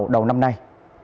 đầu năm nay